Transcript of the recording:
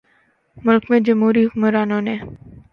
ملک میں جمہوری حکمرانوں نے